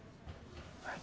はい。